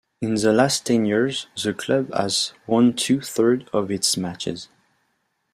In the last ten years, the club has won two thirds of its matches.